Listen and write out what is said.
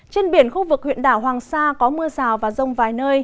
trên biển khu vực huyện đảo hoàng sa có mưa rào và rông vài nơi